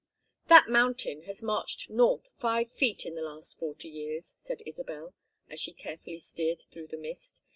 "That mountain has marched north five feet in the last forty years," said Isabel, as she carefully steered through the mist.